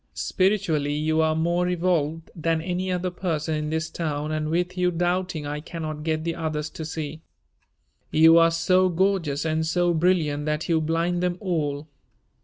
Spiritually you are more evolved than any other person in this town and with you doubting I cannot get the others to see. You are so gorgeous and so brilliant that you blind them all.